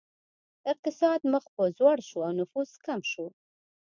اقتصاد مخ په ځوړ شو او نفوس کم شو.